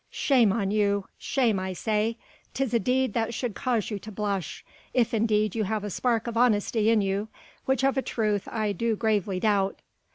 Shame on you! shame I say! 'tis a deed that should cause you to blush, if indeed you have a spark of honesty in you, which of a truth I do gravely doubt."